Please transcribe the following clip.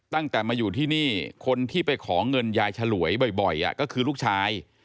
ตั้งแต่มาอยู่ที่นี่คนที่ไปขอเงินยายฉลวยบ่อยก็คือลูกชาย